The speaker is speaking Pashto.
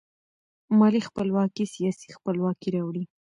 مالي خپلواکي سیاسي خپلواکي راوړي.